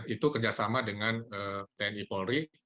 itu kerjasama dengan tni polri